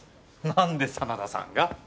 なんで真田さんが？